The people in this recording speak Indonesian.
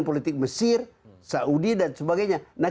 politik mesir saudi dan sebagainya